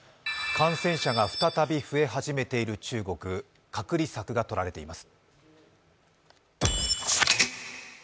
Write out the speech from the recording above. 感染者が再び増え始めている中国、隔離策がとられています。